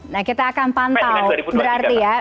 nah kita akan pantau berarti ya